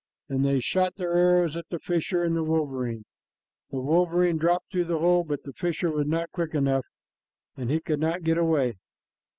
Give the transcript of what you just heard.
and they shot their arrows at the fisher and the wolverine. The wolverine dropped through the hole, but the fisher was not quick enough, and he could not get away.